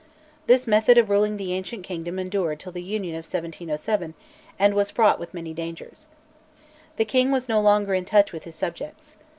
This method of ruling the ancient kingdom endured till the Union of 1707, and was fraught with many dangers. The king was no longer in touch with his subjects.